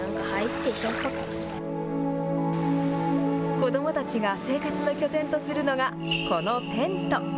子どもたちが生活の拠点とするのがこのテント。